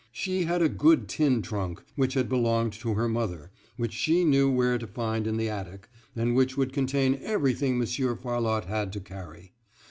She had a good tin trunk which had belonged to her mother, which she knew where to find in the attic, and which would contain everything Monsieur Farlotte had to carry.